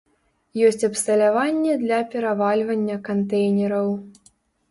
Ёсць абсталяванне для перавальвання кантэйнераў.